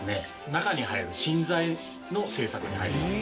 中に入る芯材の製作に入ります。